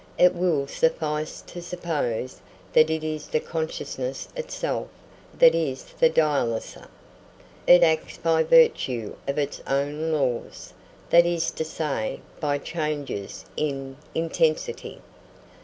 It will suffice to suppose that it is the consciousness itself that is the dialyser. It acts by virtue of its own laws that is to say, by changes in intensity.